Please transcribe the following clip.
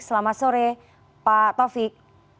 selamat sore pak taufik